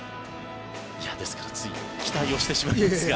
ですからつい期待をしてしまいますが。